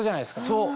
そう。